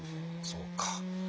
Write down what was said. そうか。